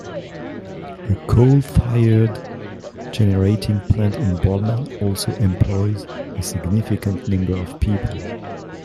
A coal-fired generating plant in Boardman also employs a significant number of people.